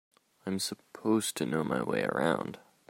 I'm supposed to know my way around.